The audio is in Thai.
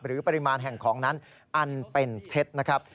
ปริมาณแห่งของนั้นอันเป็นเท็จนะครับ